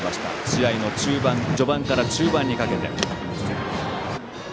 試合の序盤から中盤にかけて。